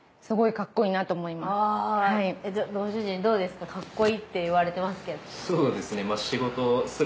かっこいいって言われてますけど。